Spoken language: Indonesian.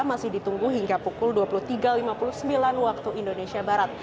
masih ditunggu hingga pukul dua puluh tiga lima puluh sembilan waktu indonesia barat